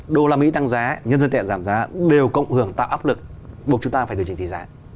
đô la mỹ tăng giá nhân dân tệ giảm giá đều cộng hưởng tạo áp lực buộc chúng ta phải điều chỉnh tỷ giá